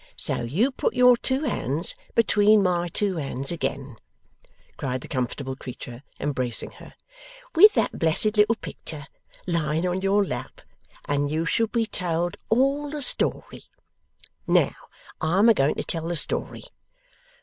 So you put your two hands between my two hands again,' cried the comfortable creature, embracing her, 'with that blessed little picter lying on your lap, and you shall be told all the story. Now, I'm a going to tell the story.